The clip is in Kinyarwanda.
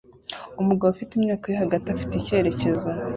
Umugabo ufite imyaka yo hagati afite icyerekezo